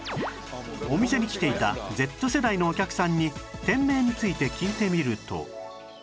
お店に来ていた Ｚ 世代のお客さんに店名について聞いてみると